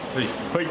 はい。